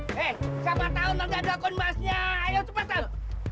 hei siapa tau nanti ada akun masnya ayo cepetan